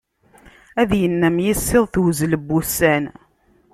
Ad yennam yissiḍ tewzel n wussan.